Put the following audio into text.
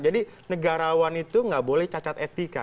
jadi negarawan itu nggak boleh cacat etika